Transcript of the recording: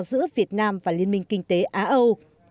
giữa việt nam và liên minh kinh tế á âu